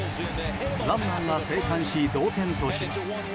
ランナーが生還し同点とします。